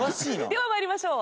では参りましょう。